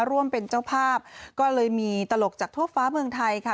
ร่วมเป็นเจ้าภาพก็เลยมีตลกจากทั่วฟ้าเมืองไทยค่ะ